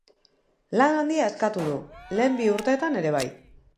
Lan handia eskatu du, lehen bi urteetan ere bai.